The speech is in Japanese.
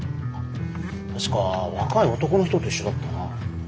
確か若い男の人と一緒だったな。